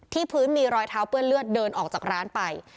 พื้นมีรอยเท้าเปื้อนเลือดเดินออกจากร้านไป